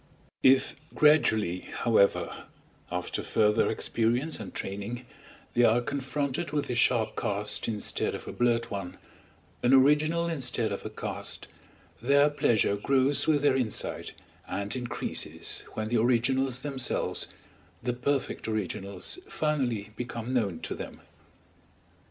If gradually, however, after further experience and training, they are confronted with a sharp cast instead of a blurred one, an original instead of a cast, their pleasure grows with their insight, and increases when the originals themselves, the perfect originals, finally become known to them.